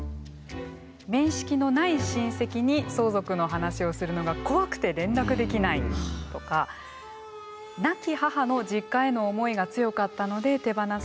「面識のない親戚に相続の話をするのが怖くて連絡できない」とか「亡き母の実家への思いが強かったので手放すことにためらい」がある。